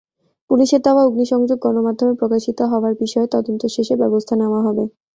পুলিশের দেওয়া অগ্নিসংযোগ গণমাধ্যমে প্রকাশিত হওয়ার বিষয়ে তদন্ত শেষে ব্যবস্থা নেওয়া হবে।